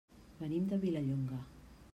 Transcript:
Venim de Vilallonga.